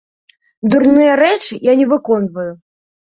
Дурныя рэчы я не выконваю.